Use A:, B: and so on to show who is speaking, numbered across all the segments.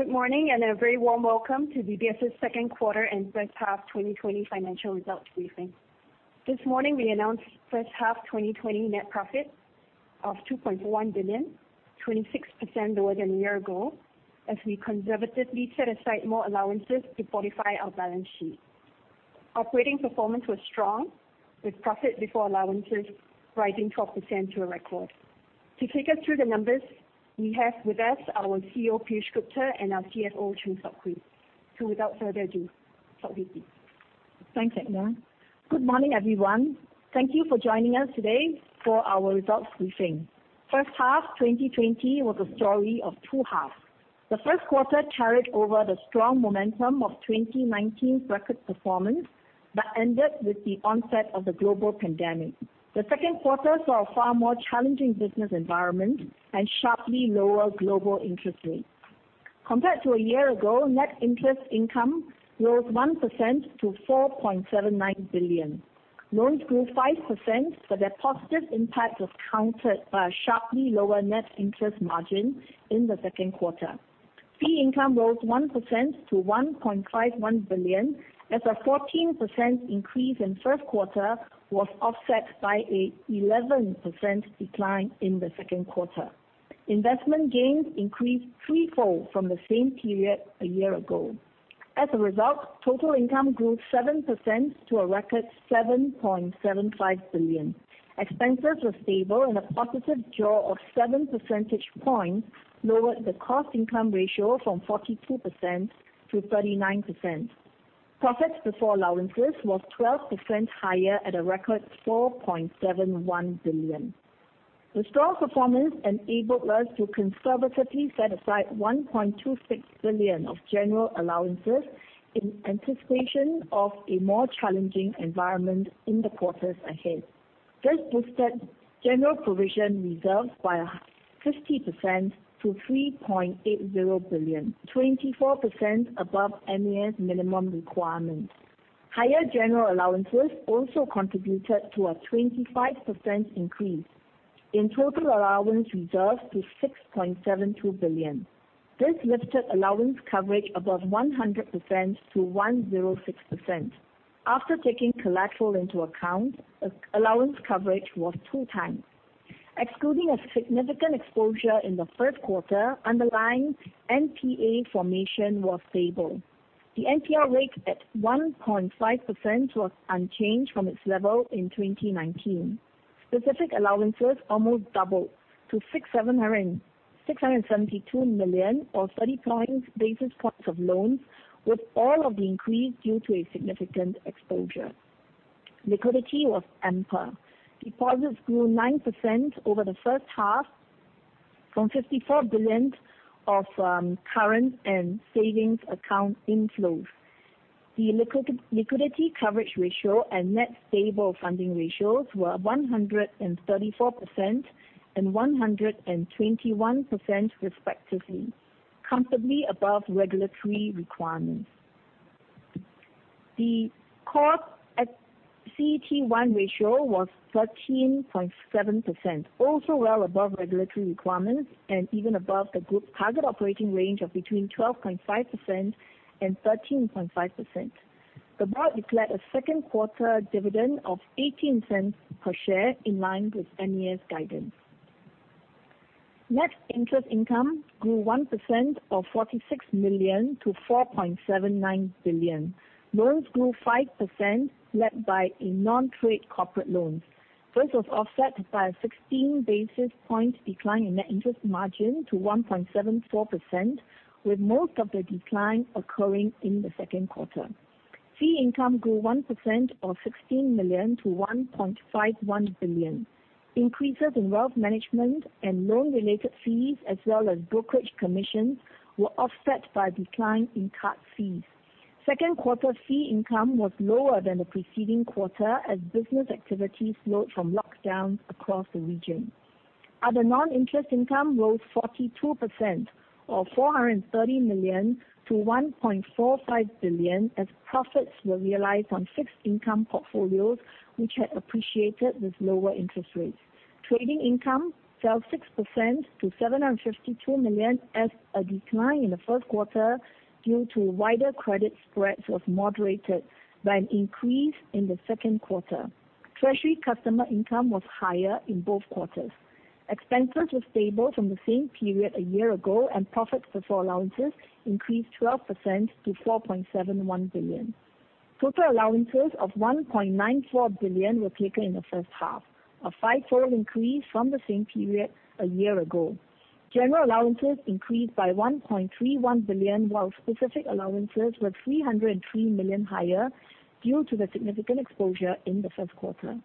A: Good morning, and a very warm welcome to DBS' second quarter and first half 2020 financial results briefing. This morning, we announced first half 2020 net profit of 2.1 billion, 26% lower than a year ago, as we conservatively set aside more allowances to fortify our balance sheet. Operating performance was strong with profit before allowances rising 12% to a record. To take us through the numbers we have with us our CEO, Piyush Gupta, and our CFO, Chng Sok Hui. Without further ado, Sok Hui.
B: Thanks, Edna. Good morning, everyone. Thank you for joining us today for our results briefing. First half 2020 was a story of two halves. The first quarter carried over the strong momentum of 2019's record performance, but ended with the onset of the global pandemic. The second quarter saw a far more challenging business environment and sharply lower global interest rates. Compared to a year ago, net interest income rose 1% to 4.79 billion. Loans grew 5%, but their positive impact was countered by a sharply lower net interest margin in the second quarter. Fee income rose 1% to 1.51 billion, as a 14% increase in first quarter was offset by an 11% decline in the second quarter. Investment gains increased threefold from the same period a year ago. As a result, total income grew 7% to a record 7.75 billion. Expenses were stable and a positive draw of 7 percentage points lowered the cost income ratio from 42% to 39%. Profits before allowances was 12% higher at a record 4.71 billion. The strong performance enabled us to conservatively set aside 1.26 billion of general allowances in anticipation of a more challenging environment in the quarters ahead. This boosted general provision reserves by 50% to 3.80 billion, 24% above MAS minimum requirements. Higher general allowances also contributed to a 25% increase in total allowance reserves to 6.72 billion. This lifted allowance coverage above 100% to 106%. After taking collateral into account, allowance coverage was two times. Excluding a significant exposure in the first quarter, underlying NPA formation was stable. The NPL rate at 1.5% was unchanged from its level in 2019. Specific allowances almost doubled to 672 million or 30 basis points of loans, with all of the increase due to a significant exposure. Liquidity was ample. Deposits grew 9% over the first half from 54 billion of current and savings account inflows. The liquidity coverage ratio and net stable funding ratios were 134% and 121% respectively, comfortably above regulatory requirements. The core CET1 ratio was 13.7%, also well above regulatory requirements and even above the group's target operating range of between 12.5% and 13.5%. The board declared a second quarter dividend of 0.18 per share in line with MAS guidance. Net interest income grew 1% or 46 million to 4.79 billion. Loans grew 5%, led by non-trade corporate loans. This was offset by a 16 basis point decline in net interest margin to 1.74%, with most of the decline occurring in the second quarter. Fee income grew 1% or 16 million to 1.51 billion. Increases in Wealth Management and loan-related fees as well as brokerage commissions were offset by a decline in card fees. Second quarter fee income was lower than the preceding quarter as business activity slowed from lockdowns across the region. Other non-interest income rose 42% or 430 million to 1.45 billion as profits were realized on fixed income portfolios which had appreciated with lower interest rates. Trading income fell 6% to 752 million as a decline in the first quarter due to wider credit spreads was moderated by an increase in the second quarter. Treasury customer income was higher in both quarters. Expenses were stable from the same period a year ago, and profits before allowances increased 12% to 4.71 billion. Total allowances of 1.94 billion were taken in the first half, a five-fold increase from the same period a year ago. General allowances increased by 1.31 billion, while specific allowances were 303 million higher due to the significant exposure in the first quarter.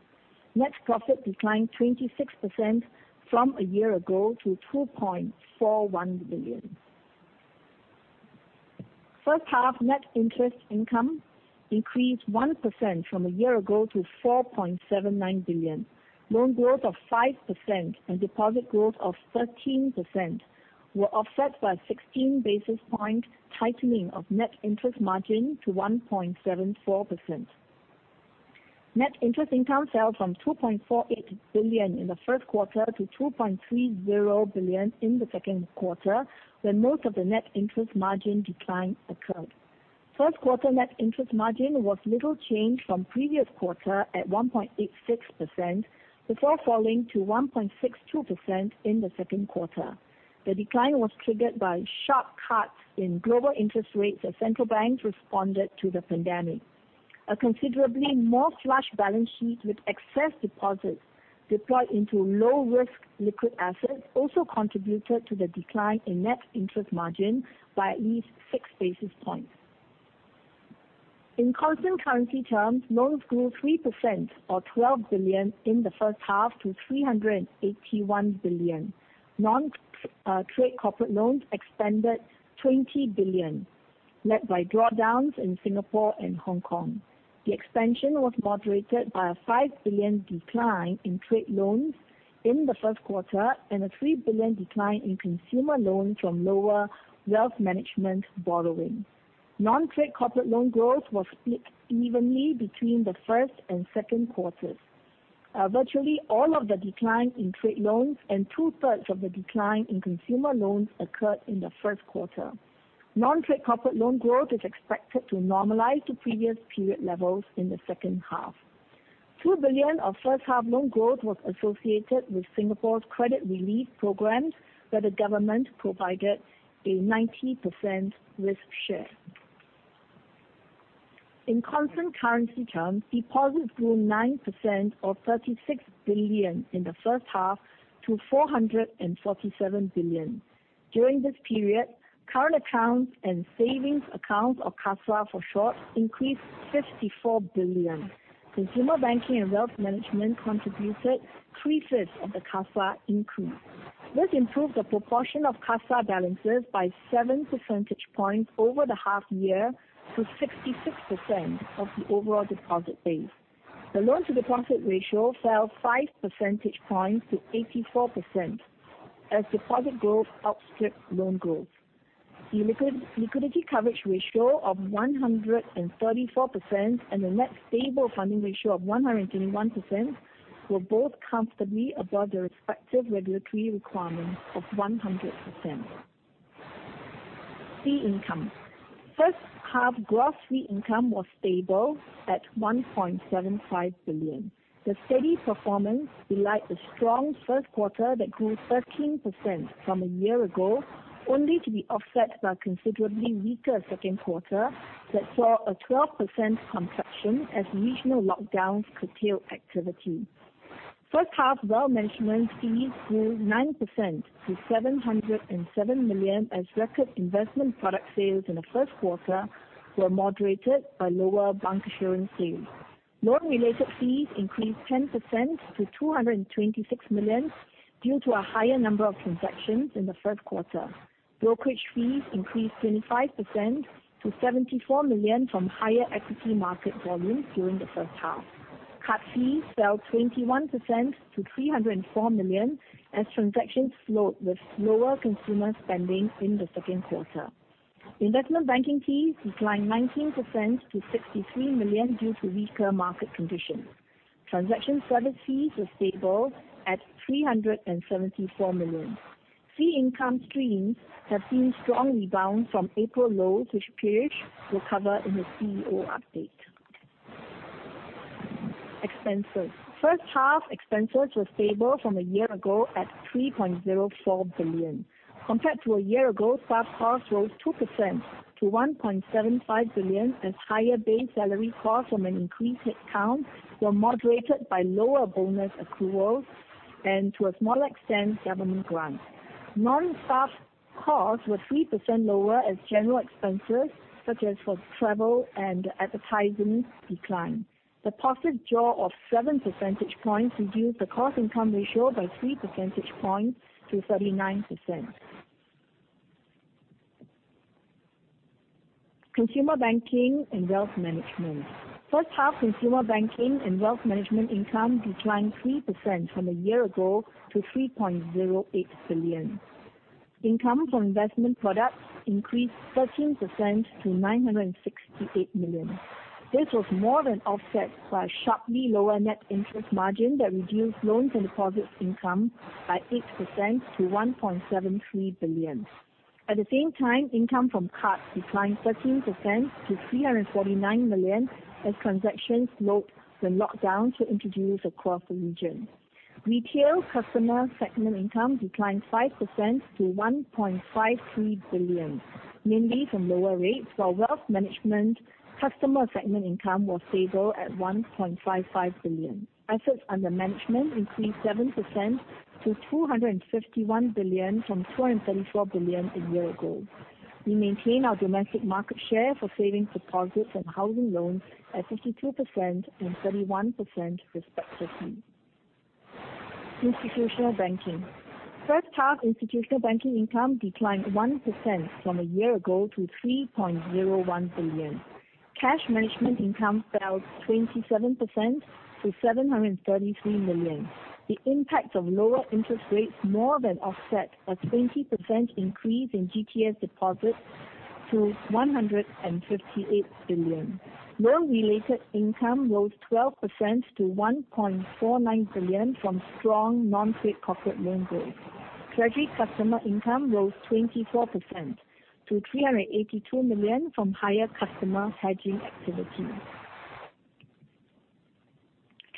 B: Net profit declined 26% from a year ago to 2.41 billion. First half net interest income increased 1% from a year ago to 4.79 billion. Loan growth of 5% and deposit growth of 13% were offset by 16 basis points tightening of net interest margin to 1.74%. Net interest income fell from 2.48 billion in the first quarter to 2.30 billion in the second quarter, when most of the net interest margin decline occurred. First quarter net interest margin was little change from previous quarter at 1.86%, before falling to 1.62% in the second quarter. The decline was triggered by sharp cuts in global interest rates as central banks responded to the pandemic. A considerably more flush balance sheet with excess deposits deployed into low risk liquid assets also contributed to the decline in net interest margin by at least 6 basis points. In constant currency terms, loans grew 3% or 12 billion in the first half to 381 billion. Non-trade corporate loans expanded 20 billion, led by drawdowns in Singapore and Hong Kong. The expansion was moderated by a 5 billion decline in trade loans in the first quarter and a 3 billion decline in consumer loans from lower wealth management borrowing. Non-trade corporate loan growth was split evenly between the first and second quarters. Virtually all of the decline in trade loans and two-thirds of the decline in consumer loans occurred in the first quarter. Non-trade corporate loan growth is expected to normalize to previous period levels in the second half. 2 billion of first half loan growth was associated with Singapore's credit relief programs, where the government provided a 90% risk share. In constant currency terms, deposits grew 9% or 36 billion in the first half to 447 billion. During this period, current accounts and savings accounts or CASA, for short, increased 54 billion. Consumer Banking and Wealth Management contributed three-fifths of the CASA increase. This improved the proportion of CASA balances by 7 percentage points over the half year to 66% of the overall deposit base. The loan to deposit ratio fell 5 percentage points to 84% as deposit growth outstripped loan growth. The Liquidity Coverage Ratio of 134% and the Net Stable Funding Ratio of 121% were both comfortably above their respective regulatory requirements of 100%. Fee income. First-half gross fee income was stable at 1.75 billion. The steady performance relied on a strong first quarter that grew 13% from a year ago, only to be offset by a considerably weaker second quarter that saw a 12% contraction as regional lockdowns curtailed activity. First-half wealth management fees grew 9% to 707 million as record investment product sales in the first quarter were moderated by lower bancassurance sales. Loan-related fees increased 10% to 226 million due to a higher number of transactions in the first quarter. Brokerage fees increased 25% to 74 million from higher equity market volumes during the first half. Card fees fell 21% to 304 million as transactions slowed with lower consumer spending in the second quarter. Investment banking fees declined 19% to 63 million due to weaker market conditions. Transaction service fees were stable at 374 million. Fee income streams have seen strong rebound from April lows, which Piyush will cover in his CEO update. Expenses. First-half expenses were stable from a year ago at 3.04 billion. Compared to a year ago, staff costs rose 2% to 1.75 billion as higher base salary costs from an increased headcount were moderated by lower bonus accruals and to a small extent, government grants. Non-staff costs were 3% lower as general expenses, such as for travel and advertising, declined. Deposit draw of 7 percentage points reduced the Cost Income Ratio by 3 percentage points to 39%. Consumer Banking and Wealth Management. First-half Consumer Banking and Wealth Management income declined 3% from a year ago to 3.08 billion. Income from investment products increased 13% to 968 million. This was more than offset by sharply lower net interest margin that reduced loans and deposits income by 8% to 1.73 billion. At the same time, income from cards declined 13% to 349 million as transactions slowed with lockdowns introduced across the region. Retail customer segment income declined 5% to 1.53 billion, mainly from lower rates, while wealth management customer segment income was stable at 1.55 billion. Assets under management increased 7% to 251 billion from 234 billion a year ago. We maintain our domestic market share for savings deposits and housing loans at 52% and 31% respectively. Institutional Banking. First-half Institutional Banking income declined 1% from a year ago to 3.01 billion. Cash management income fell 27% to 733 million. The impact of lower interest rates more than offset a 20% increase in GTS deposits to 158 billion. Loan related income rose 12% to 1.49 billion from strong non-trade corporate loan growth. Treasury customer income rose 24% to 382 million from higher customer hedging activity.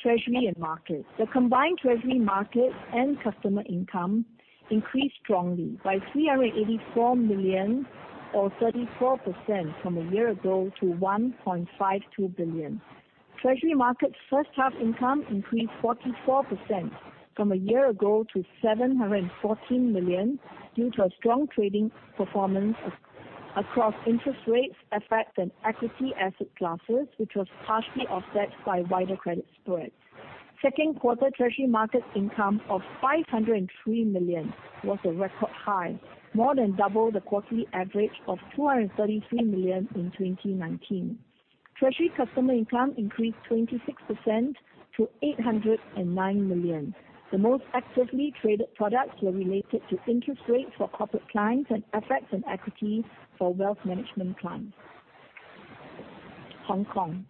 B: Treasury and Markets. The combined Treasury, markets and customer income increased strongly by 384 million or 34% from a year ago to 1.52 billion. Treasury & Markets first-half income increased 44% from a year ago to 714 million due to a strong trading performance across interest rates, FX and equity asset classes, which was partially offset by wider credit spreads. Second-quarter Treasury & Markets income of 503 million was a record high, more than double the quarterly average of 233 million in 2019. Treasury customer income increased 26% to 809 million. The most actively traded products were related to interest rates for corporate clients and FX and equities for Wealth Management clients. Hong Kong.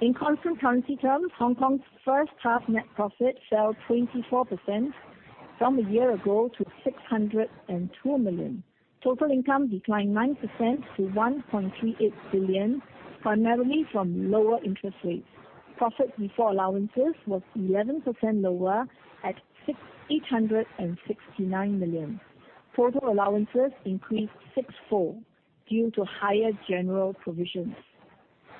B: In constant currency terms, Hong Kong's first-half net profit fell 24% from a year ago to 602 million. Total income declined 9% to 1.38 billion, primarily from lower interest rates. Profit before allowances was 11% lower at 689 million. Total allowances increased six-fold due to higher general provisions.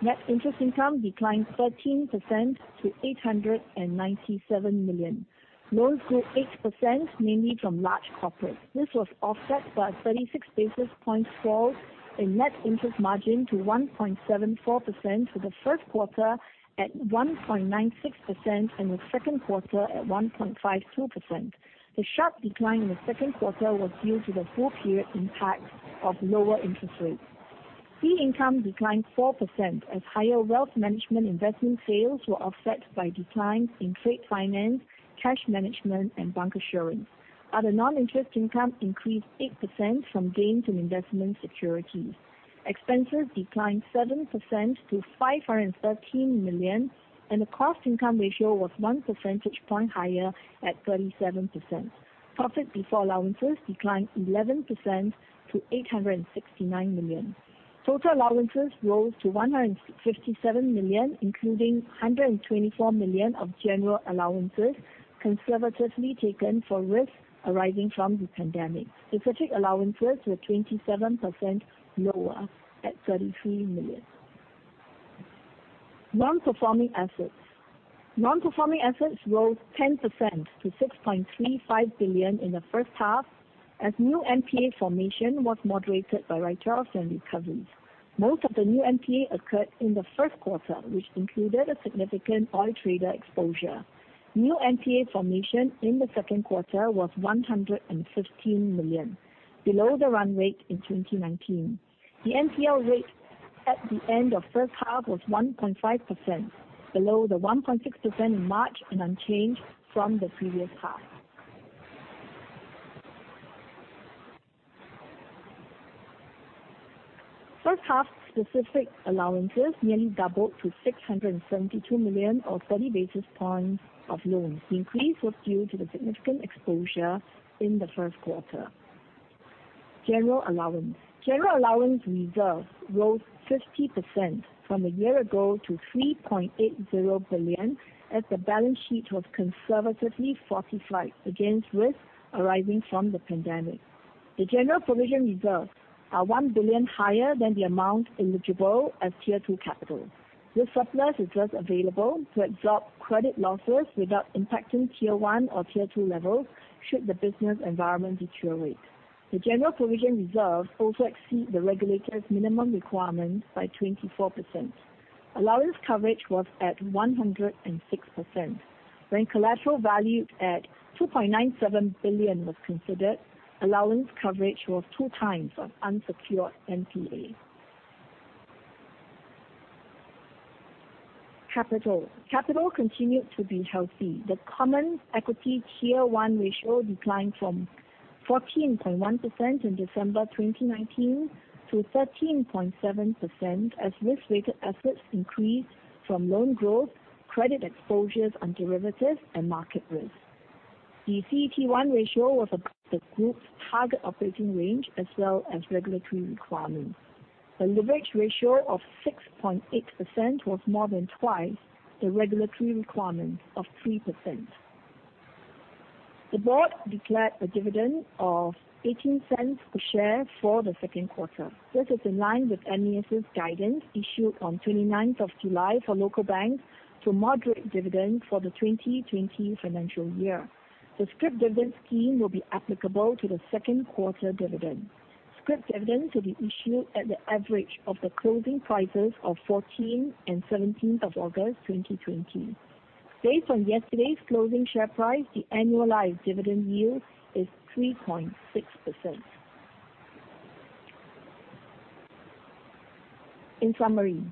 B: Net interest income declined 13% to 897 million. Loans grew 8%, mainly from large corporates. This was offset by a 36 basis point fall in net interest margin to 1.74% for the first quarter at 1.96% and the second quarter at 1.52%. The sharp decline in the second quarter was due to the full period impact of lower interest rates. Fee income declined 4% as higher Wealth Management investment sales were offset by declines in trade finance, cash management, and bancassurance. Other non-interest income increased 8% from gains in investment securities. Expenses declined 7% to 513 million, and the Cost Income Ratio was 1 percentage point higher at 37%. Profit before allowances declined 11% to 869 million. Total allowances rose to 157 million, including 124 million of general allowances conservatively taken for risks arising from the pandemic. Specific allowances were 27% lower at SGD 33 million. Non-performing assets rose 10% to 6.35 billion in the first half as new NPA formation was moderated by write-offs and recoveries. Most of the new NPA occurred in the first quarter, which included a significant oil trader exposure. New NPA formation in the second quarter was 115 million, below the run rate in 2019. The NPL rate at the end of first half was 1.5%, below the 1.6% in March and unchanged from the previous half. First half specific allowances nearly doubled to 672 million or 30 basis points of loans. The increase was due to the significant exposure in the first quarter. General allowance reserve rose 50% from a year ago to 3.80 billion as the balance sheet was conservatively fortified against risks arising from the pandemic. The general provision reserves are 1 billion higher than the amount eligible as Tier 2 capital. This surplus is thus available to absorb credit losses without impacting Tier 1 or Tier 2 levels should the business environment deteriorate. The general provision reserves also exceed the regulator's minimum requirements by 24%. Allowance coverage was at 106%. When collateral valued at 2.97 billion was considered, allowance coverage was 2x the unsecured NPA. Capital continued to be healthy. The common equity Tier 1 ratio declined from 14.1% in December 2019 to 13.7% as risk-weighted assets increased from loan growth, credit exposures on derivatives, and market risk. The CET1 ratio was above the group's target operating range as well as regulatory requirements. The leverage ratio of 6.8% was more than twice the regulatory requirement of 3%. The board declared a dividend of 0.18 per share for the second quarter. This is in line with MAS's guidance issued on 29th of July for local banks to moderate dividends for the 2020 financial year. The Scrip Dividend Scheme will be applicable to the second quarter dividend. Scrip dividends will be issued at the average of the closing prices of 14th and 17th of August 2020. Based on yesterday's closing share price, the annualized dividend yield is 3.6%. In summary,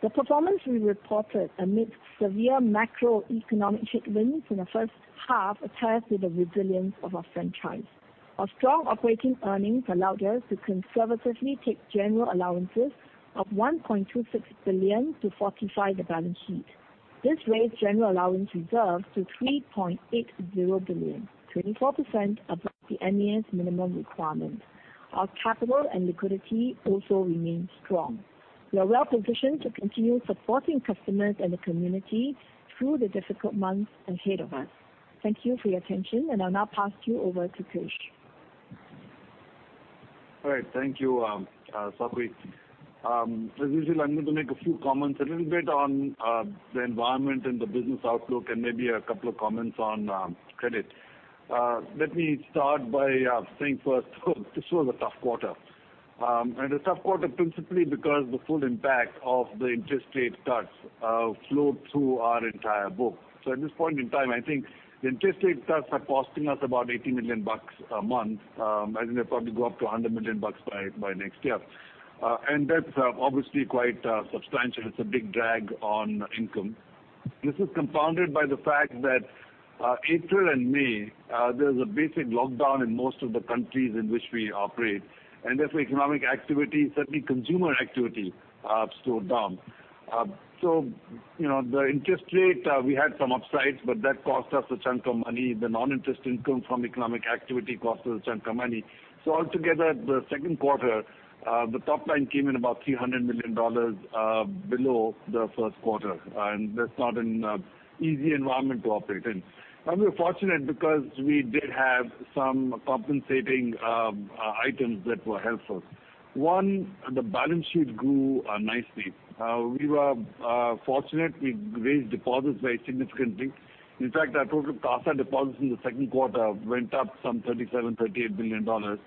B: the performance we reported amidst severe macroeconomic headwinds in the first half attests to the resilience of our franchise. Our strong operating earnings allowed us to conservatively take general allowances of 1.26 billion to fortify the balance sheet. This raised general allowance reserves to 3.80 billion, 24% above the MAS minimum requirement. Our capital and liquidity also remain strong. We are well positioned to continue supporting customers and the community through the difficult months ahead of us. Thank you for your attention, and I'll now pass you over to Piyush.
C: All right, thank you, Sok Hui. As usual, I'm going to make a few comments a little bit on the environment and the business outlook and maybe a couple of comments on credit. Let me start by saying first this was a tough quarter, and a tough quarter principally because the full impact of the interest rate cuts flowed through our entire book. So at this point in time, I think the interest rate cuts are costing us about 80 million bucks a month. I think they'll probably go up to 100 million bucks by next year. And that's obviously quite substantial. It's a big drag on income. This is compounded by the fact that, April and May, there's a basic lockdown in most of the countries in which we operate, and therefore economic activity, certainly consumer activity, slowed down. You know, the interest rate, we had some upsides, but that cost us a chunk of money. The non-interest income from economic activity cost us a chunk of money. Altogether, the second quarter, the top line came in about 300 million dollars below the first quarter, and that's not an easy environment to operate in. Now we're fortunate because we did have some compensating items that were helpful. One, the balance sheet grew nicely. We were fortunate we raised deposits very significantly. In fact, our total CASA deposits in the second quarter went up some 37 billion, 38 billion dollars,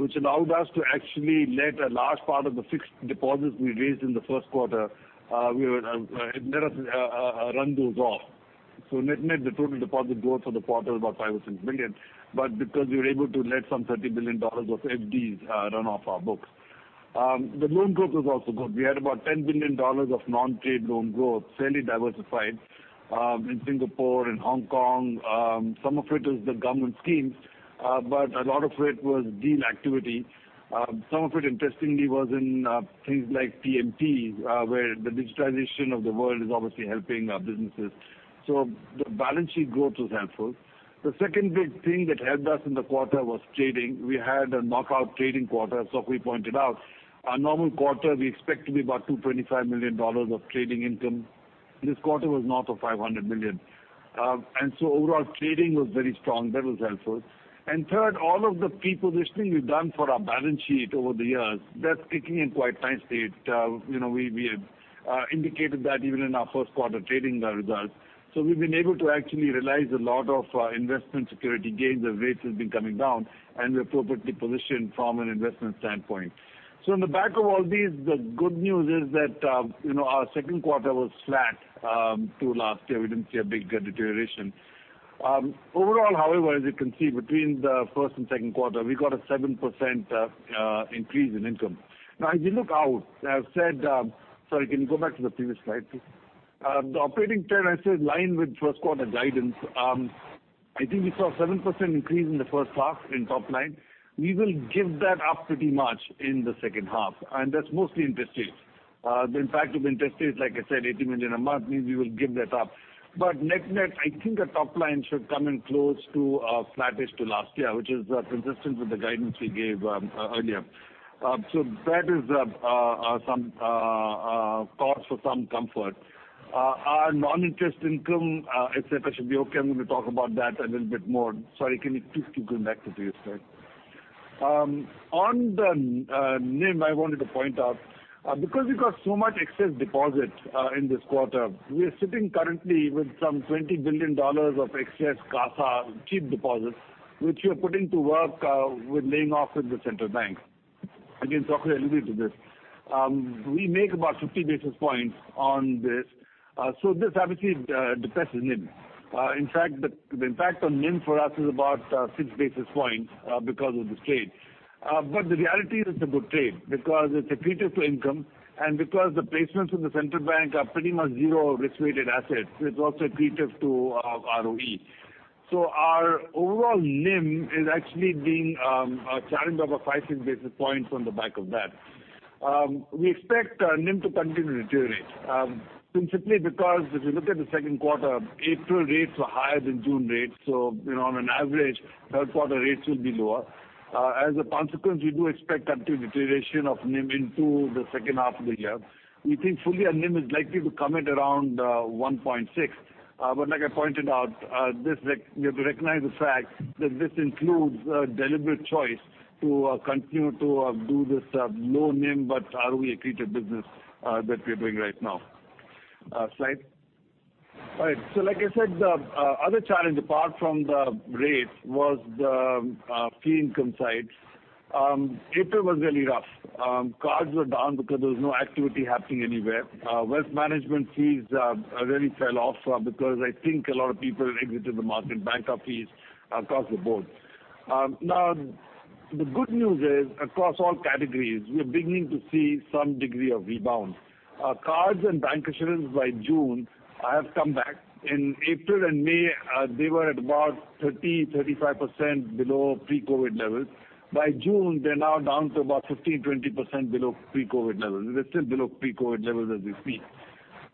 C: which allowed us to actually let a large part of the fixed deposits we raised in the first quarter run those off. Net-net, the total deposit growth for the quarter was about 5 billion or 6 billion, but because we were able to let some 30 billion dollars of FDs run off our books. The loan growth was also good. We had about 10 billion dollars of non-trade loan growth, fairly diversified, in Singapore and Hong Kong. Some of it is the government schemes, but a lot of it was deal activity. Some of it interestingly was in things like TMT, where the digitization of the world is obviously helping our businesses. The balance sheet growth was helpful. The second big thing that helped us in the quarter was trading. We had a knockout trading quarter, as Sok Hui pointed out. A normal quarter we expect to be about 225 million dollars of trading income. This quarter was north of 500 million. Overall trading was very strong. That was helpful. Third, all of the repositioning we've done for our balance sheet over the years, that's kicking in quite nicely. You know, we have indicated that even in our first quarter trading results. We've been able to actually realize a lot of investment security gains as rates have been coming down, and we're appropriately positioned from an investment standpoint. On the back of all these, the good news is that, you know, our second quarter was flat to last year. We didn't see a big deterioration. Overall, however, as you can see between the first and second quarter, we got a 7% increase in income. Now as you look out, I've said—Sorry, can you go back to the previous slide, please? The operating trend, I said, in line with first quarter guidance. I think we saw 7% increase in the first half in top line. We will give that up pretty much in the second half, and that's mostly interest rates. The impact of interest rates, like I said, 80 million a month means we will give that up. Net-net, I think our top line should come in close to flattish to last year, which is consistent with the guidance we gave earlier. So that is some cause for some comfort. Our non-interest income et cetera should be okay. I'm gonna talk about that a little bit more. Sorry, can you please keep going back to the previous slide? On the NIM I wanted to point out because we got so much excess deposits in this quarter, we are sitting currently with some 20 billion dollars of excess CASA cheap deposits, which we are putting to work with laying off with the central bank. Again, Sok Hui alluded to this. We make about 50 basis points on this. So this obviously depresses NIM. In fact, the impact on NIM for us is about 6 basis points because of this trade. The reality is it's a good trade because it's accretive to income, and because the placements in the central bank are pretty much zero risk-weighted assets, it's also accretive to ROE. Our overall NIM is actually being challenged over 5-6 basis points on the back of that. We expect NIM to continue to deteriorate principally because if you look at the second quarter, April rates were higher than June rates, so you know on an average, third quarter rates will be lower. As a consequence, we do expect that deterioration of NIM into the second half of the year. We think fully our NIM is likely to come in around 1.6%. Like I pointed out, we have to recognize the fact that this includes a deliberate choice to continue to do this low NIM but ROE accretive business that we're doing right now. Slide. All right. Like I said, the other challenge apart from the rates was the fee income side. April was really rough. Cards were down because there was no activity happening anywhere. Wealth Management fees really fell off because I think a lot of people exited the market. Banking fees across the board. Now, the good news is, across all categories, we're beginning to see some degree of rebound. Cards and bancassurance by June have come back. In April and May, they were at about 30%-35% below pre-COVID levels. By June, they're now down to about 15%-20% below pre-COVID levels. They're still below pre-COVID levels as we speak.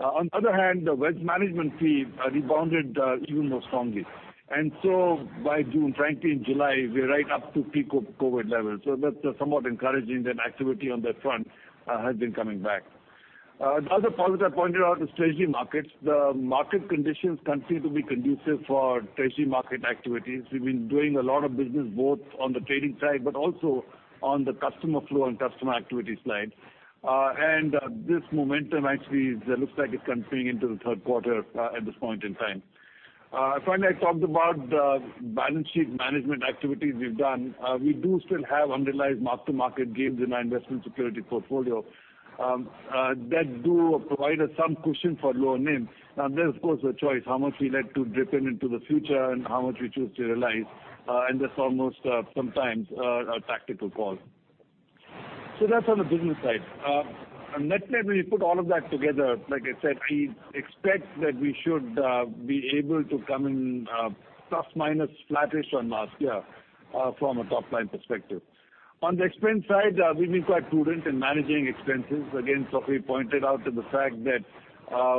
C: On the other hand, the wealth management fee rebounded even more strongly. By June, frankly, in July, we're right up to pre-COVID levels. That's somewhat encouraging that activity on that front has been coming back. The other part which I pointed out is Treasury and Markets. The market conditions continue to be conducive for Treasury and Markets activities. We've been doing a lot of business, both on the trading side, but also on the customer flow and customer activity side. This momentum looks like it's continuing into the third quarter at this point in time. Finally, I talked about balance sheet management activities we've done. We do still have unrealized mark-to-market gains in our investment security portfolio that do provide us some cushion for loan names. Now there's, of course, the choice how much we like to drip in into the future and how much we choose to realize, and that's almost sometimes a tactical call. That's on the business side. Net-net, when you put all of that together, like I said, we expect that we should be able to come in plus minus flattish on last year from a top-line perspective. On the expense side, we've been quite prudent in managing expenses. Again, Sok Hui pointed out to the fact that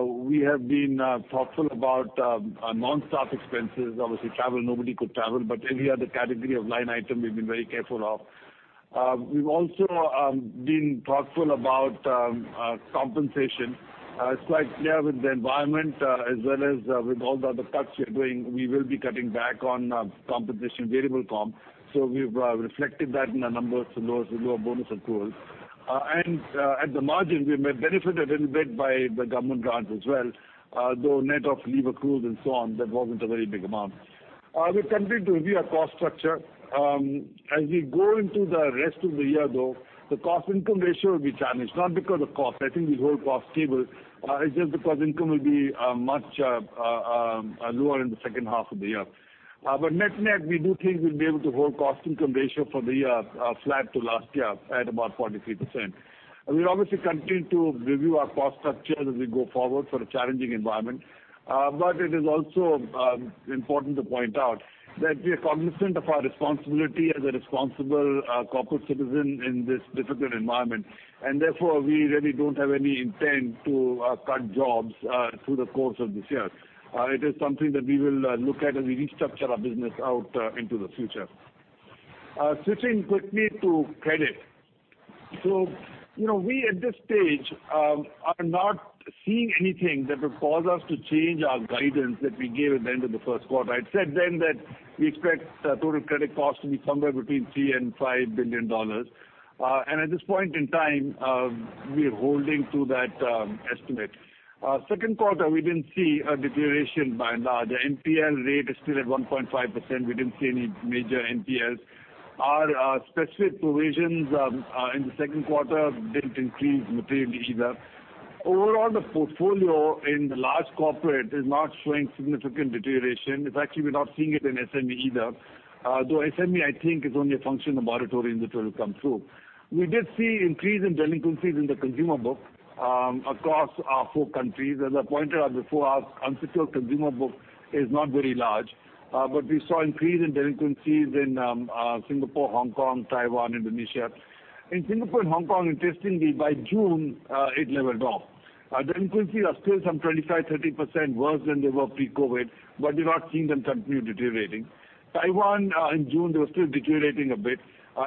C: we have been thoughtful about our non-staff expenses. Obviously, travel, nobody could travel, but every other category of line item we've been very careful of. We've also been thoughtful about compensation. It's quite clear with the environment as well as with all the other cuts we are doing, we will be cutting back on compensation, variable comp, so we've reflected that in our numbers for lower bonus accrual. At the margin, we may benefit a little bit by the government grant as well, though net of leave accruals and so on, that wasn't a very big amount. We continue to review our cost structure. As we go into the rest of the year, though, the cost-income ratio will be challenged, not because of cost, I think we hold cost stable, it's just because income will be much lower in the second half of the year. Net-net, we do think we'll be able to hold Cost Income Ratio for the flat to last year at about 43%. We'll obviously continue to review our cost structure as we go forward for a challenging environment. It is also important to point out that we are cognizant of our responsibility as a responsible corporate citizen in this difficult environment. Therefore, we really don't have any intent to cut jobs through the course of this year. It is something that we will look at as we restructure our business out into the future. Switching quickly to credit. you know, we at this stage are not seeing anything that would cause us to change our guidance that we gave at the end of the first quarter. I'd said then that we expect total credit costs to be somewhere between 3 billion-5 billion dollars. At this point in time, we're holding to that estimate. Second quarter, we didn't see a deterioration by and large. The NPL rate is still at 1.5%. We didn't see any major NPLs. Our specific provisions in the second quarter didn't increase materially either. Overall, the portfolio in the large corporate is not showing significant deterioration. In fact, we're not seeing it in SME either. Though SME I think is only a function of moratorium that will come through. We did see increase in delinquencies in the consumer book across our four countries. As I pointed out before, our unsecured consumer book is not very large, but we saw increase in delinquencies in Singapore, Hong Kong, Taiwan, Indonesia. In Singapore and Hong Kong, interestingly, by June, it leveled off. Our delinquencies are still some 25%-30% worse than they were pre-COVID, but we're not seeing them continue deteriorating. Taiwan, in June, they were still deteriorating a bit.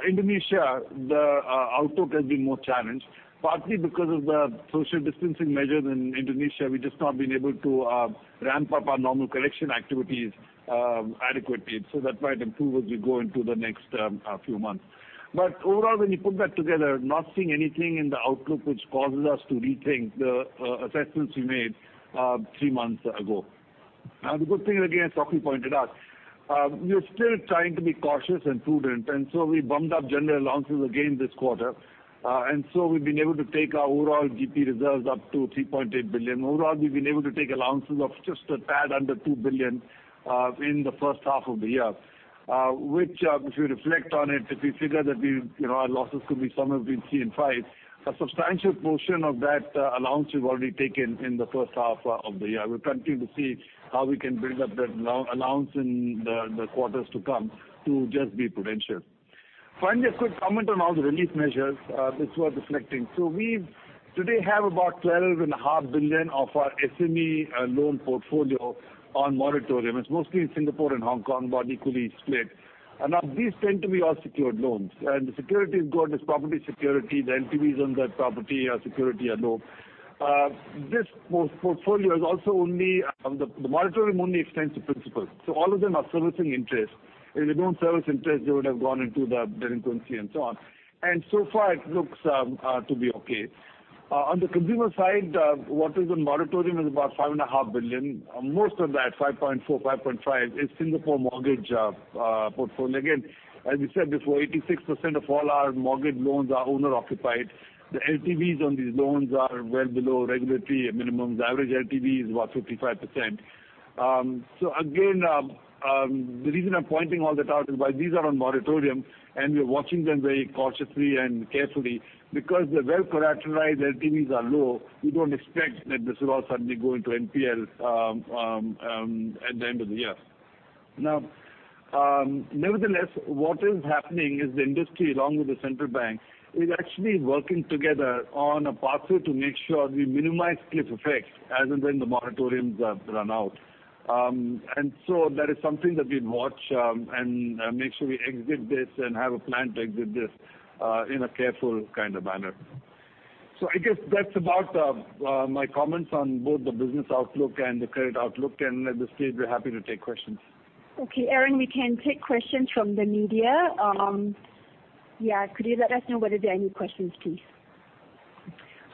C: Indonesia, the outlook has been more challenged, partly because of the social distancing measures in Indonesia. We've just not been able to ramp up our normal collection activities adequately. That might improve as we go into the next few months. Overall, when you put that together, not seeing anything in the outlook which causes us to rethink the assessments we made three months ago. Now, the good thing, again, as Sok Hui pointed out, we are still trying to be cautious and prudent, and so we bumped up general allowances again this quarter. We've been able to take our overall GP reserves up to 3.8 billion. Overall, we've been able to take allowances of just a tad under 2 billion in the first half of the year. Which, if you reflect on it, if you figure that we, you know, our losses could be somewhere between 3 billion and 5 billion, a substantial portion of that allowance we've already taken in the first half of the year. We'll continue to see how we can build up that allowance in the quarters to come to just be prudential. Finally, a quick comment on all the relief measures, that's worth reflecting. We today have about 12.5 billion of our SME loan portfolio on moratorium. It's mostly in Singapore and Hong Kong, about equally split. Now these tend to be all secured loans. The security is good, it's property security. The LTVs on that property security are low. This portfolio is also only the moratorium only extends to principal, so all of them are servicing interest. If they don't service interest, they would have gone into the delinquency and so on. So far it looks to be okay. On the consumer side, what is on moratorium is about 5.5 billion. Most of that, 5.4, 5.5 is Singapore mortgage portfolio. Again, as we said before, 86% of all our mortgage loans are owner occupied. The LTVs on these loans are well below regulatory minimums. The average LTV is about 55%. Again, the reason I'm pointing all that out is while these are on moratorium, and we're watching them very cautiously and carefully because they're well characterized, LTVs are low, we don't expect that this will all suddenly go into NPL at the end of the year. Now, nevertheless, what is happening is the industry, along with the central bank, is actually working together on a pathway to make sure we minimize cliff effect as and when the moratoriums run out. That is something that we'd watch, and make sure we exit this and have a plan to exit this in a careful kind of manner. I guess that's about my comments on both the business outlook and the credit outlook. At this stage, we're happy to take questions.
A: Okay, Aaron, we can take questions from the media. Yeah, could you let us know whether there are any questions, please?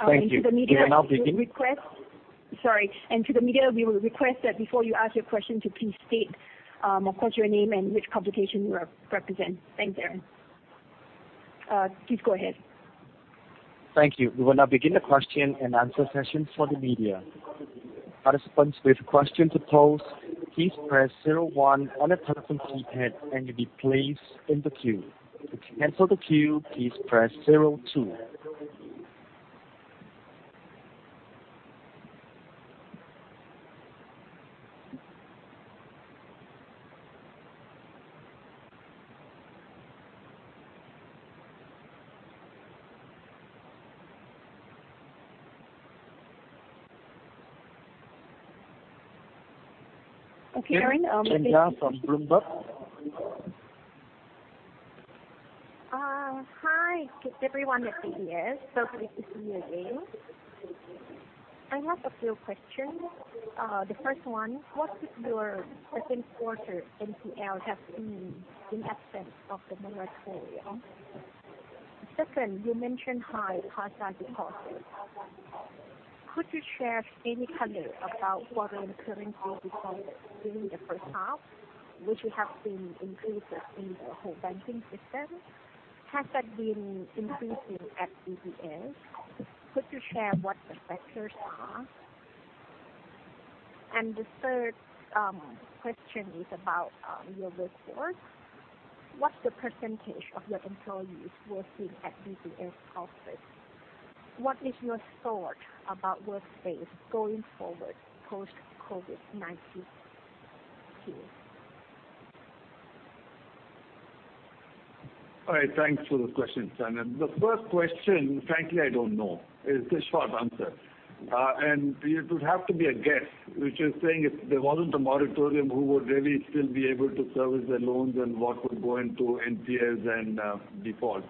D: Thank you. We will now begin.
A: To the media, we will request that before you ask your question to please state, of course, your name and which publication you represent. Thanks, Aaron. Please go ahead.
D: Thank you. We will now begin the question and answer session for the media. Participants with a question to pose, please press zero one on the participant keypad and you'll be placed in the queue. To cancel the queue, please press zero two.
A: Okay, Aaron.
D: Chanyaporn Chanjaroen from Bloomberg.
E: Hi everyone at DBS, so good to see you again. I have a few questions. The first one, what would your second quarter NPL have been in absence of the moratorium? Second, you mentioned high CASA deposits. Could you share any color about foreign currency deposits during the first half, which you have seen increases in the whole banking system? Has that been increasing at DBS? Could you share what the sectors are? The third question is about your workforce. What's the percentage of your employees working at DBS office? What is your thought about workspace going forward post COVID-19 please?
C: All right. Thanks for the questions, Chanya. The first question, frankly, I don't know is the short answer. It would have to be a guess, which is saying if there wasn't a moratorium, who would really still be able to service their loans and what would go into NPLs and default.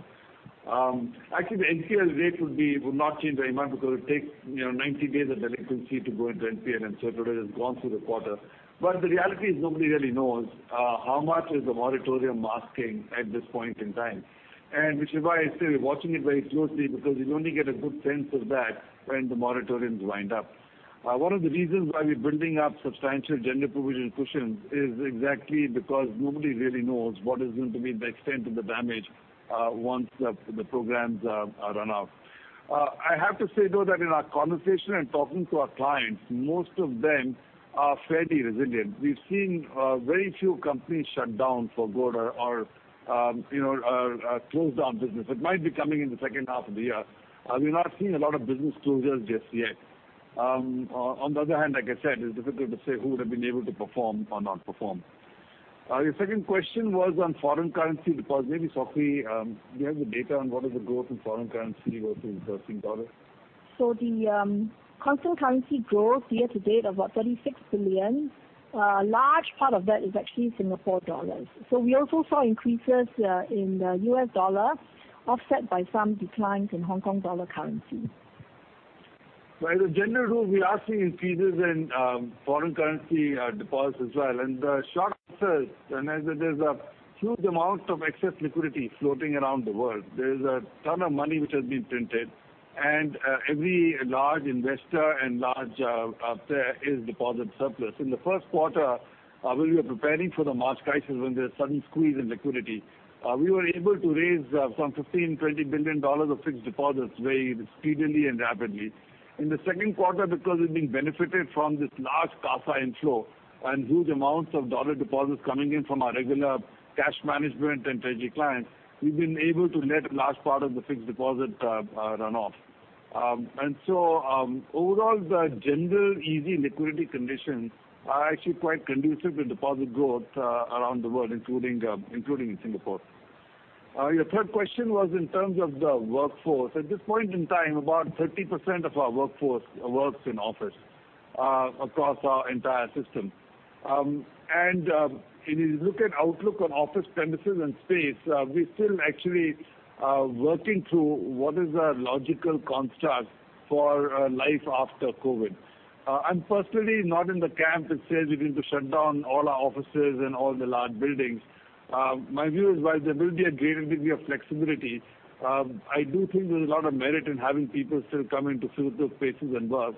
C: Actually, the NPL rate would not change very much because it takes you know 90 days of delinquency to go into NPL, and so it already has gone through the quarter. The reality is nobody really knows how much is the moratorium masking at this point in time, and which is why I say we're watching it very closely because you'd only get a good sense of that when the moratoriums wind up. One of the reasons why we're building up substantial general provision cushions is exactly because nobody really knows what is going to be the extent of the damage once the programs run out. I have to say though that in our conversation and talking to our clients, most of them are fairly resilient. We've seen very few companies shut down for good or you know close down business. It might be coming in the second half of the year. We've not seen a lot of business closures just yet. On the other hand, like I said, it's difficult to say who would have been able to perform or not perform. Your second question was on foreign currency deposits. Maybe, Sok Hui, do you have the data on what is the growth in foreign currency versus Singapore dollar?
B: The constant currency growth year to date, about 36 billion, a large part of that is actually Singapore dollars. We also saw increases in the U.S. dollar offset by some declines in Hong Kong dollar currency.
C: By the general rule, we are seeing increases in foreign currency deposits as well. The short answer, and as there's a huge amount of excess liquidity floating around the world, there's a ton of money which has been printed, and every large investor and large player is deposit surplus. In the first quarter, when we were preparing for the March crisis when there was sudden squeeze in liquidity, we were able to raise some 15 billion-20 billion dollars of Fixed Deposits very speedily and rapidly. In the second quarter, because we've been benefited from this large CASA inflow and huge amounts of dollar deposits coming in from our regular cash management and treasury clients, we've been able to let a large part of the Fixed Deposits run off. Overall, the general easy liquidity conditions are actually quite conducive to deposit growth around the world, including in Singapore. Your third question was in terms of the workforce. At this point in time, about 30% of our workforce works in office across our entire system. If you look at outlook on office premises and space, we're still actually working through what is a logical construct for a life after COVID. I'm personally not in the camp that says we're going to shut down all our offices and all the large buildings. My view is while there will be a greater degree of flexibility, I do think there's a lot of merit in having people still come into physical spaces and work.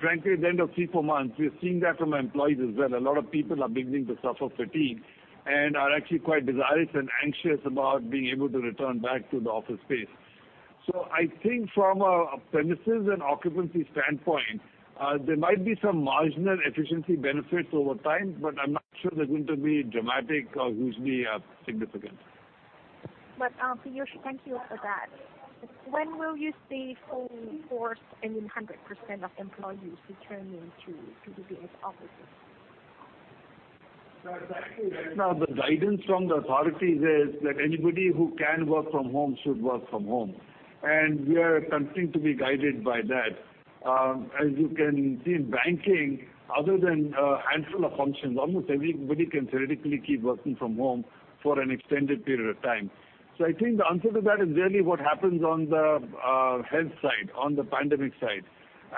C: Frankly, at the end of three, four months, we're seeing that from our employees as well. A lot of people are beginning to suffer fatigue and are actually quite desirous and anxious about being able to return back to the office space. I think from a premises and occupancy standpoint, there might be some marginal efficiency benefits over time, but I'm not sure they're going to be dramatic or hugely significant.
E: Piyush, thank you for that. When will you see full force and 100% of employees returning to the bank's offices?
C: No, exactly. That's now the guidance from the authorities is that anybody who can work from home should work from home, and we are continuing to be guided by that. As you can see in banking, other than a handful of functions, almost everybody can theoretically keep working from home for an extended period of time. I think the answer to that is really what happens on the health side, on the pandemic side.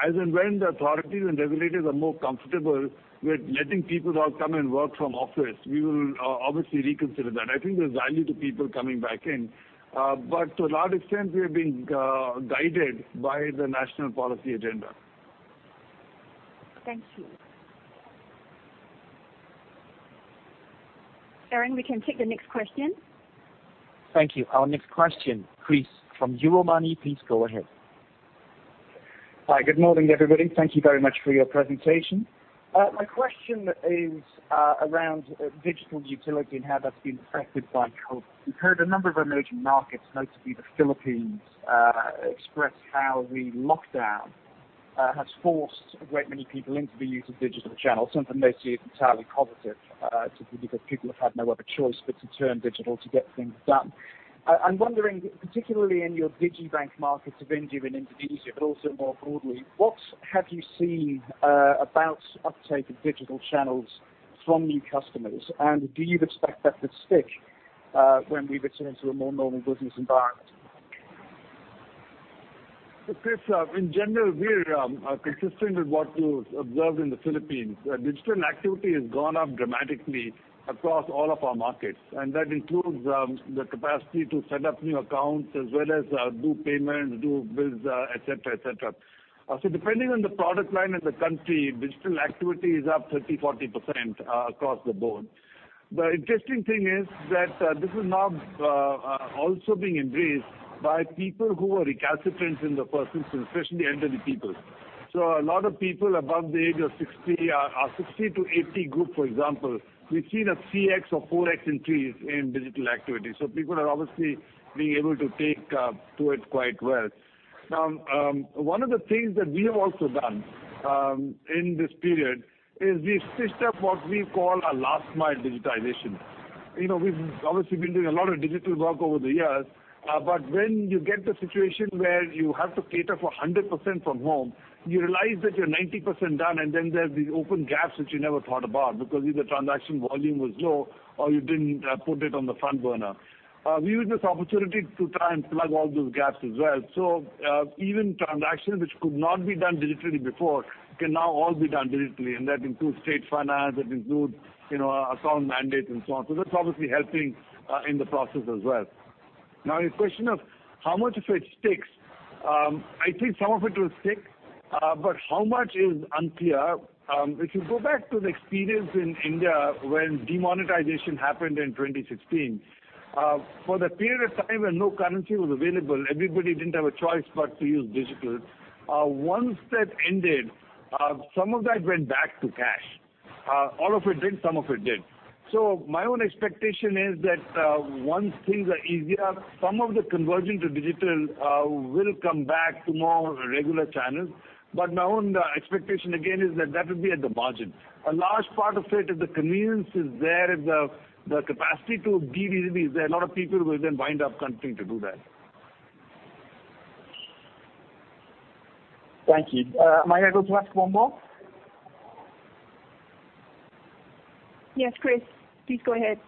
C: As and when the authorities and regulators are more comfortable with letting people now come and work from office, we will obviously reconsider that. I think there's value to people coming back in. But to a large extent, we are being guided by the national policy agenda.
A: Thank you. Aaron, we can take the next question.
D: Thank you. Our next question, Chris from Euromoney. Please go ahead.
F: Hi, good morning, everybody. Thank you very much for your presentation. My question is around digital utility and how that's been affected by COVID. We've heard a number of emerging markets, notably the Philippines, express how the lockdown has forced a great many people into the use of digital channels, something they see as entirely positive, simply because people have had no other choice but to turn digital to get things done. I'm wondering, particularly in your digibank markets of India and Indonesia, but also more broadly, what have you seen about uptake of digital channels from new customers? Do you expect that to stick when we return to a more normal business environment?
C: Chris, in general, we're consistent with what you observed in the Philippines. Digital activity has gone up dramatically across all of our markets, and that includes the capacity to set up new accounts as well as do payments, do bills, et cetera, et cetera. Depending on the product line and the country, digital activity is up 30%-40% across the board. The interesting thing is that this is now also being embraced by people who are recalcitrants in the first place, especially elderly people. A lot of people above the age of 60 to 80 group, for example, we've seen a 3x or 4x increase in digital activity, so people are obviously being able to take to it quite well. Now, one of the things that we have also done, in this period is we've stitched up what we call a last mile digitization. You know, we've obviously been doing a lot of digital work over the years, but when you get the situation where you have to cater for 100% from home, you realize that you're 90% done, and then there's these open gaps that you never thought about because either transaction volume was low or you didn't put it on the front burner. We used this opportunity to try and plug all those gaps as well. Even transactions which could not be done digitally before can now all be done digitally, and that includes trade finance, that includes, you know, sovereign mandates and so on. That's obviously helping in the process as well. Now the question of how much of it sticks. I think some of it will stick, but how much is unclear. If you go back to the experience in India when demonetization happened in 2016, for the period of time when no currency was available, everybody didn't have a choice but to use digital. Once that ended, some of that went back to cash. All of it didn't, some of it did. My own expectation is that, once things are easier, some of the conversion to digital will come back to more regular channels. My own expectation again is that that would be at the margin. A large part of it, if the convenience is there, if the capacity to do it easily is there, a lot of people will then wind up continuing to do that.
F: Thank you. Am I able to ask one more?
A: Yes, Chris, please go ahead.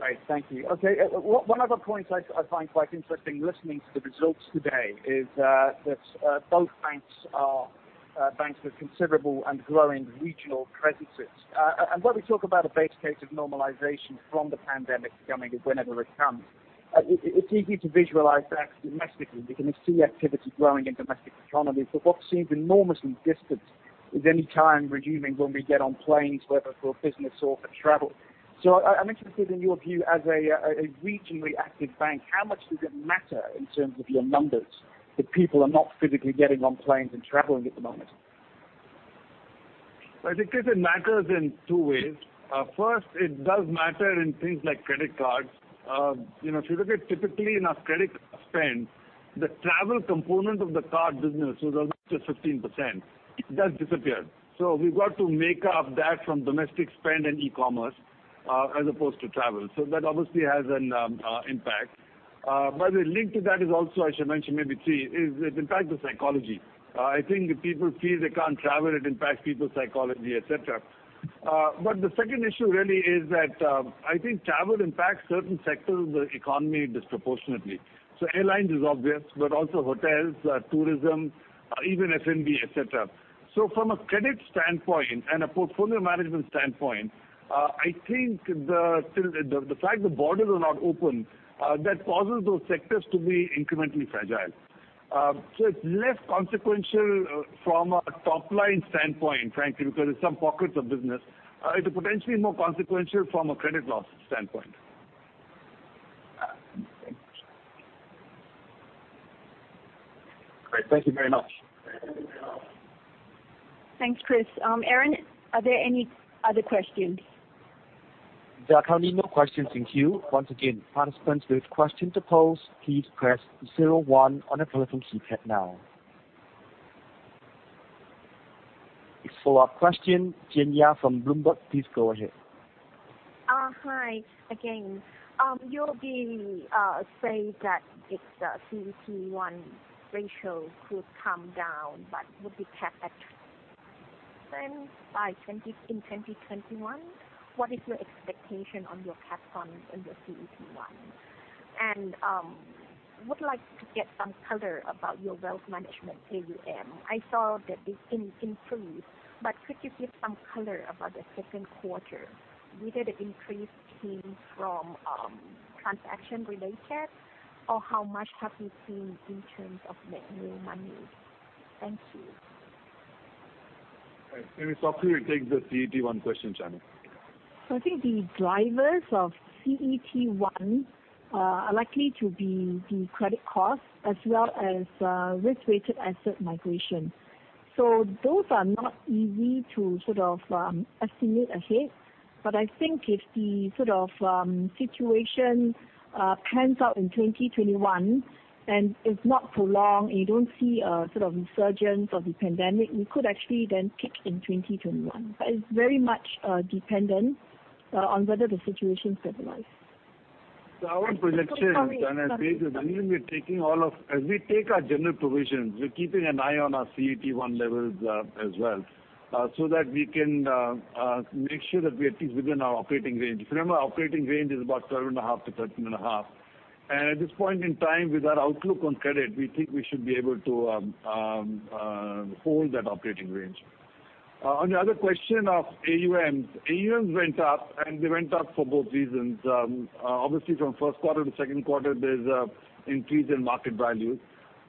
F: Right. Thank you. Okay. One other point I find quite interesting listening to the results today is that both banks are banks with considerable and growing regional presences. When we talk about a base case of normalization from the pandemic coming whenever it comes, it's easy to visualize that domestically because we see activity growing in domestic economies. What seems enormously distant is any time resuming when we get on planes, whether for business or for travel. I'm interested in your view as a regionally active bank, how much does it matter in terms of your numbers that people are not physically getting on planes and traveling at the moment?
C: I think, Chris, it matters in two ways. First, it does matter in things like credit cards. You know, if you look at typically in our credit spend, the travel component of the card business, that's just 15%, it does disappear. We've got to make up that from domestic spend and e-commerce, as opposed to travel. That obviously has an impact. The link to that is also, I should mention maybe three, is it impacts the psychology. I think if people feel they can't travel, it impacts people's psychology, et cetera. The second issue really is that, I think travel impacts certain sectors of the economy disproportionately. Airlines is obvious, but also hotels, tourism, even F&B, et cetera. From a credit standpoint and a portfolio management standpoint, I think still the fact the borders are not open, that causes those sectors to be incrementally fragile. It's less consequential from a top line standpoint, frankly, because it's some pockets of business. It's potentially more consequential from a credit loss standpoint.
F: Thank you. Great, thank you very much.
A: Thanks, Chris. Aaron, are there any other questions?
D: Follow-up question, Chanya from Bloomberg, please go ahead.
E: Hi again. You'll be saying that if the CET1 ratio could come down but would be capped at 10% by 2020 in 2021, what is your expectation on your capital fund and your CET1? I would like to get some color about your Wealth Management AUM. I saw that it increased, but could you give some color about the second quarter? Was the increase seen from transaction-related, or how much have you seen in terms of net new money? Thank you.
C: All right. Maybe Sok Hui will take the CET1 question, Chanya.
B: I think the drivers of CET1 are likely to be the credit costs as well as risk-weighted asset migration. Those are not easy to sort of estimate ahead. I think if the sort of situation pans out in 2021, and it's not too long and you don't see a sort of resurgence of the pandemic, we could actually then peak in 2021. It's very much dependent on whether the situation stabilizes.
C: Our projection, and as I said, as we take our general provisions, we're keeping an eye on our CET1 levels, as well, so that we can make sure that we are at least within our operating range. If you remember, our operating range is about 12.5%-13.5%. At this point in time, with our outlook on credit, we think we should be able to hold that operating range. On your other question of AUMs. AUMs went up, and they went up for both reasons. Obviously from first quarter to second quarter, there's increase in market values.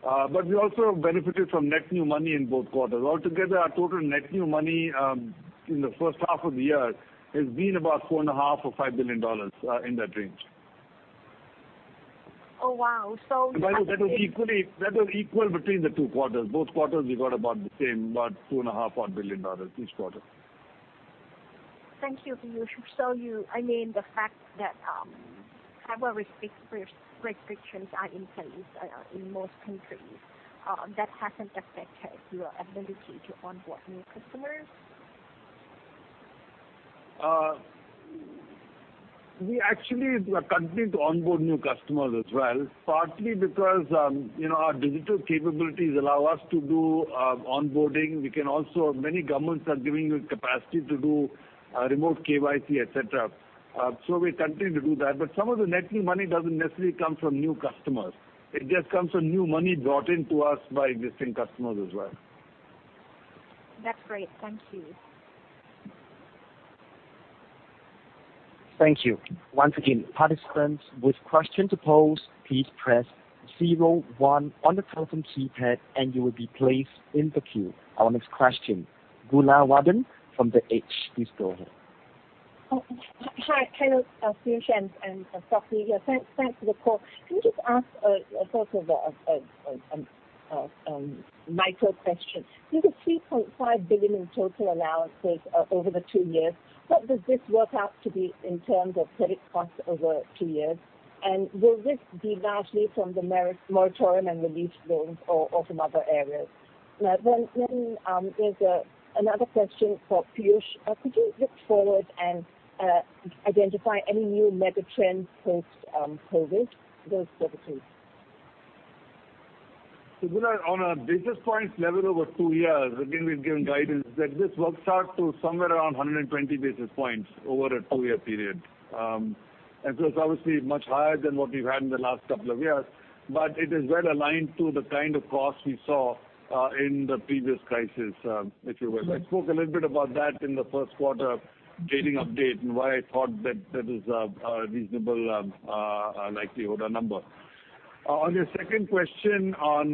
C: But we also benefited from net new money in both quarters. Altogether, our total net new money in the first half of the year has been about 4.5 billion or 5 billion dollars in that range.
E: Oh, wow.
C: By the way, that was equal between the two quarters. Both quarters we got about the same, about 2.5 billion-5 billion dollars each quarter.
E: Thank you, Piyush. I mean, the fact that travel restrictions are in place in most countries, that hasn't affected your ability to onboard new customers?
C: We actually continue to onboard new customers as well, partly because, you know, our digital capabilities allow us to do onboarding. Many governments are giving you the capacity to do remote KYC, et cetera. We continue to do that. Some of the net new money doesn't necessarily come from new customers. It just comes from new money brought in to us by existing customers as well.
E: That's great. Thank you.
D: Thank you. Once again, participants with questions to pose, please press zero one on the telephone keypad and you will be placed in the queue. Our next question, Goola Warden from The Edge. Please go ahead.
G: Hi. Hello, Piyush and Sok Hui. Thanks for the call. Can we just ask a sort of a micro question? With the 3.5 billion in total allowances over the two years, what does this work out to be in terms of credit costs over two years? And will this be largely from the moratorium and released loans or from other areas? There's another question for Piyush. Could you look forward and identify any new mega trends post COVID? Those are the two.
C: Goola, on a basis points level over two years, again, we've given guidance that this works out to somewhere around 120 basis points over a two-year period. It's obviously much higher than what we've had in the last couple of years, but it is well aligned to the kind of costs we saw in the previous crisis, if you will. I spoke a little bit about that in the first quarter earnings update and why I thought that is a reasonable likelihood or number. On your second question on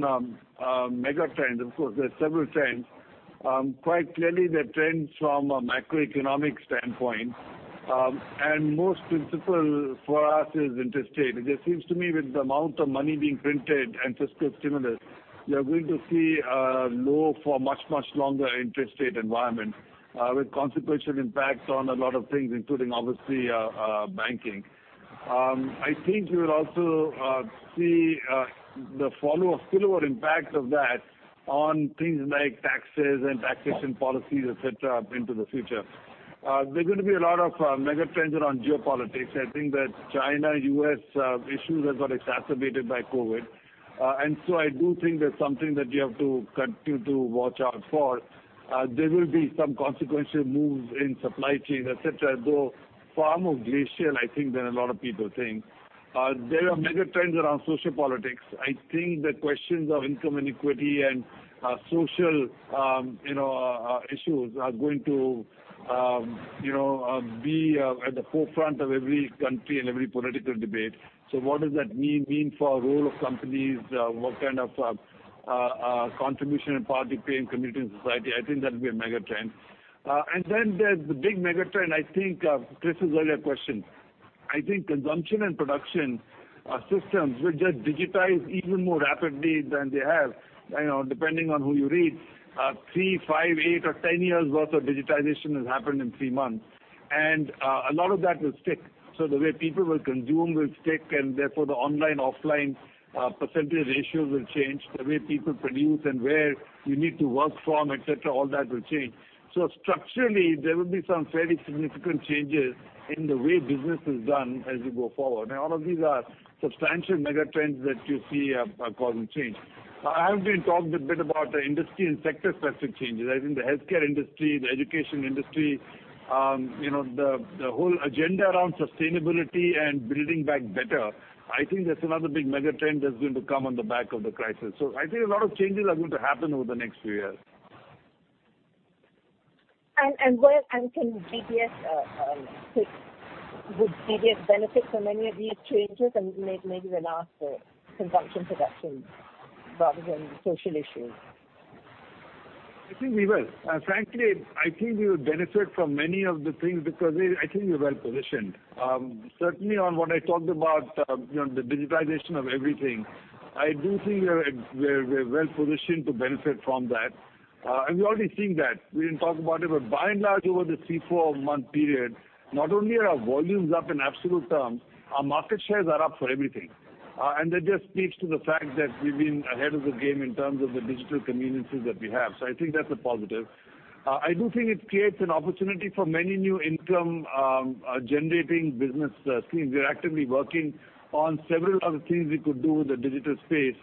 C: mega trends, of course, there are several trends. Quite clearly the trends from a macroeconomic standpoint, and most principal for us is interest rate. It seems to me with the amount of money being printed and fiscal stimulus, we are going to see a low for much, much longer interest rate environment, with consequential impacts on a lot of things, including obviously, banking. I think you will also see the spillover impact of that on things like taxes and taxation policies, et cetera, into the future. There are going to be a lot of mega trends around geopolitics. I think that China-U.S. issues have got exacerbated by COVID. I do think that's something that you have to continue to watch out for. There will be some consequential moves in supply chain, et cetera, though far more glacial, I think, than a lot of people think. There are mega trends around social politics. I think the questions of income inequity and social issues are going to be at the forefront of every country and every political debate. What does that mean for role of companies? What kind of contribution and part they play in community and society? I think that'll be a mega trend. There's the big mega trend, I think, Chris's earlier question. I think consumption and production are systems which are digitized even more rapidly than they have. You know, depending on who you read, three, five, eight or 10 years' worth of digitization has happened in three months. A lot of that will stick. The way people will consume will stick, and therefore the online/offline percentage ratios will change, the way people produce and where you need to work from, et cetera, all that will change. Structurally, there will be some fairly significant changes in the way business is done as we go forward. All of these are substantial mega trends that you see are causing change. I haven't talked a bit about the industry and sector-specific changes. I think the healthcare industry, the education industry, you know, the whole agenda around sustainability and building back better, I think that's another big mega trend that's going to come on the back of the crisis. I think a lot of changes are going to happen over the next few years.
G: Would DBS benefit from any of these changes? Maybe when asked for consumption production rather than social issues.
C: I think we will. Frankly, I think we will benefit from many of the things because we, I think we're well-positioned. Certainly on what I talked about, you know, the digitization of everything, I do think we're well-positioned to benefit from that. We're already seeing that. We didn't talk about it, but by and large, over the three- to four-month period, not only are our volumes up in absolute terms, our market shares are up for everything. That just speaks to the fact that we've been ahead of the game in terms of the digital conveniences that we have. I think that's a positive. I do think it creates an opportunity for many new income-generating business schemes. We're actively working on several other things we could do with the digital space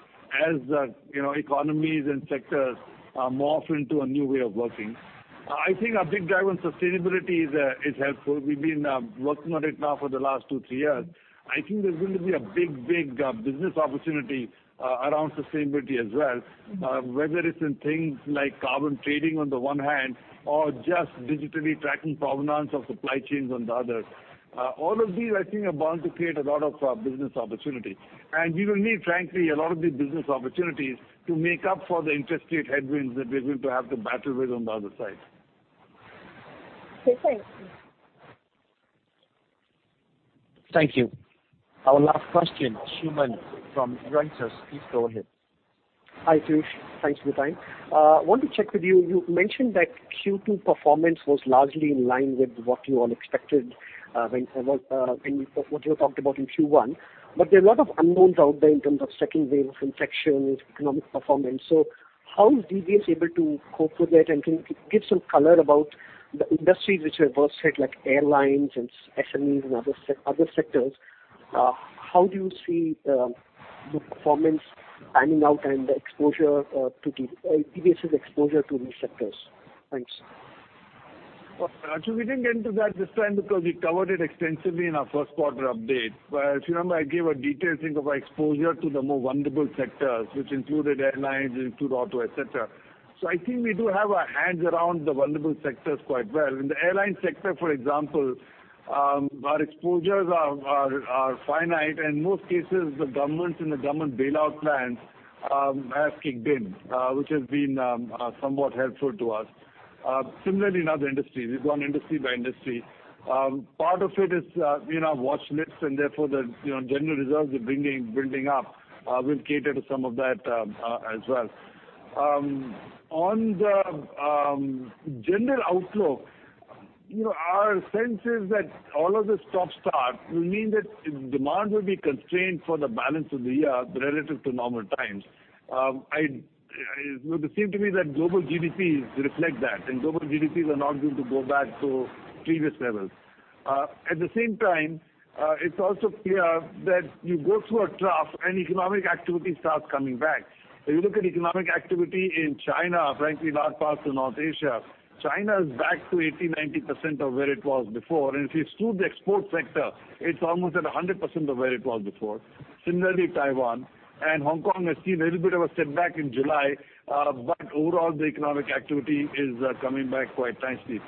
C: as the, you know, economies and sectors morph into a new way of working. I think our big drive on sustainability is helpful. We've been working on it now for the last two, three years. I think there's going to be a big business opportunity around sustainability as well, whether it's in things like carbon trading on the one hand, or just digitally tracking provenance of supply chains on the other. All of these, I think, are bound to create a lot of business opportunity. We will need, frankly, a lot of these business opportunities to make up for the interest rate headwinds that we're going to have to battle with on the other side.
G: Okay. Thank you.
D: Thank you. Our last question, Suman from Reuters. Please go ahead.
H: Hi, Piyush. Thanks for the time. Want to check with you mentioned that Q2 performance was largely in line with what you all expected, what you talked about in Q1. There are a lot of unknowns out there in terms of second wave of infections, economic performance. How is DBS able to cope with that? Can you give some color about the industries which are worse hit, like airlines and SMEs and other sectors, how do you see the performance panning out and DBS's exposure to these sectors? Thanks.
C: Well, actually, we didn't get into that this time because we covered it extensively in our first quarter update. If you remember, I gave a detailed thing of our exposure to the more vulnerable sectors, which included airlines, auto, et cetera. I think we do have our hands around the vulnerable sectors quite well. In the airline sector, for example, our exposures are finite, and in most cases, the governments and the government bailout plans have kicked in, which has been somewhat helpful to us. Similarly in other industries, we've gone industry by industry. Part of it is, you know, watch lists and therefore the, you know, general reserves are building up, will cater to some of that, as well. On the general outlook, you know, our sense is that all of this stop-start will mean that demand will be constrained for the balance of the year relative to normal times. You know, it would seem to me that global GDPs reflect that, and global GDPs are not going to go back to previous levels. At the same time, it's also clear that you go through a trough and economic activity starts coming back. If you look at economic activity in China, frankly, large parts of North Asia, China is back to 80%-90% of where it was before. If you exclude the export sector, it's almost at 100% of where it was before. Similarly, Taiwan and Hong Kong have seen a little bit of a setback in July, but overall the economic activity is coming back quite nicely.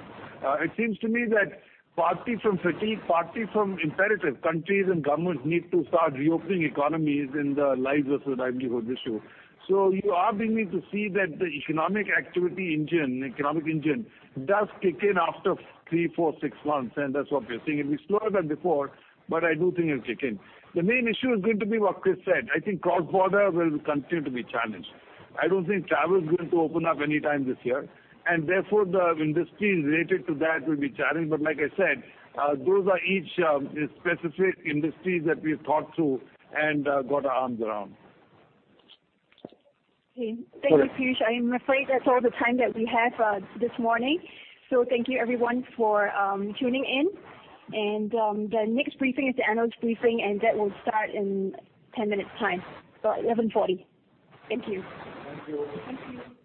C: It seems to me that partly from fatigue, partly from imperative, countries and governments need to start reopening economies and the lives of their livelihood issue. You are beginning to see that the economic engine does kick in after three, four, six months, and that's what we're seeing. It'd be slower than before, but I do think it'll kick in. The main issue is going to be what Chris said. I think cross-border will continue to be challenged. I don't think travel is going to open up any time this year, and therefore the industries related to that will be challenged. Like I said, those are each specific industries that we've thought through and got our arms around.
A: Okay. Thank you, Piyush. I am afraid that's all the time that we have this morning. Thank you everyone for tuning in. The next briefing is the analyst briefing, and that will start in 10 minutes time, so 11:40 A.M. Thank you.
C: Thank you.
B: Thank you.